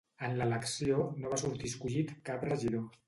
En l'elecció no va sortir escollit cap regidor.